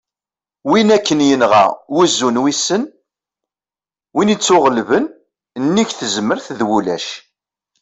win akken yenɣa "wuzzu n wissen", win ittuɣellben : nnig tezmert d ulac